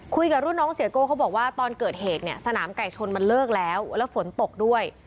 คุยกับรุ่นน้องเสียโก้เขาบอกว่าตอนเกิดเหตุเนี่ยสนามไก่ชนมันเลิกแล้วแล้วฝนตกด้วย